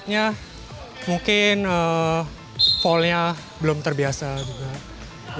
ya mungkin fallnya belum terbiasa juga